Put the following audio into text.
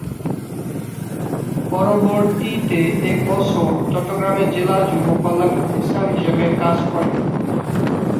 পরবর্তীতে এক বছর চট্টগ্রামে জেলা যুব কল্যাণ অফিসার হিসেবে কাজ করে।